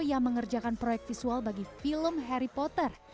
yang mengerjakan proyek visual bagi film harry potter